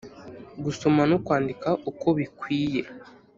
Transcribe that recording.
. Gusoma no kwandika uko bikwiye